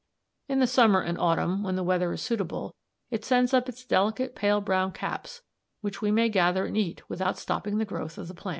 In the summer and autumn, when the weather is suitable, it sends up its delicate pale brown caps, which we may gather and eat without stopping the growth of the plant.